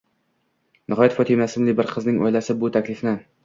Nihoyat Fotima ismli bir qizning oilasi bu taklifni: